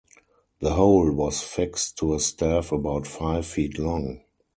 The whole was fixed to a staff about five feet long.